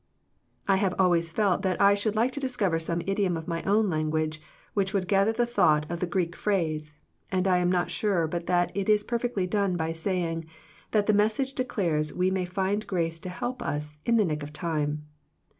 I have always felt that I should like to discover some idiom of my own language which would gather the thought of the Greek phrase, and I am not sure but that it is perfectly done by saying that the message declares we may find grace to help us " in the nick of time."